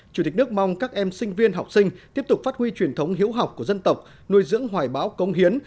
chủ tịch nước mong các em sinh viên học sinh tiếp tục phát huy truyền thống hiếu học của dân tộc nuôi dưỡng hoài báo công hiến